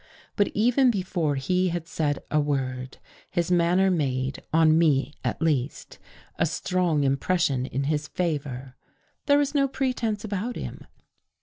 But even before he had said a word, his manner made, on me at least, a strong impression In his favor. There was no pretense about him.